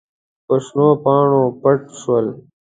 په شنو پاڼو پټ شول.